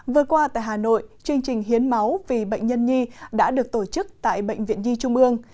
vừa qua tại hà nội chương trình hiến máu vì bệnh nhân nhi đã được tổ chức tại bệnh viện nhi trung ương